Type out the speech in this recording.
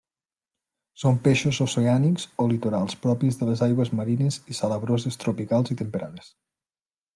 Són peixos oceànics o litorals propis de les aigües marines i salabroses tropicals i temperades.